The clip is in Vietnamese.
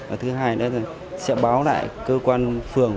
và thứ hai nữa là sẽ báo lại cơ quan phường